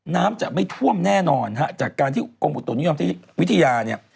น้ำจะไม่ท่วมแน่นอนจากการที่กรมกว่าตัวนิยมพิวเทีย